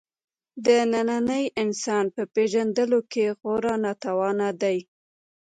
د ننني انسان په پېژندلو کې خورا ناتوانه دی.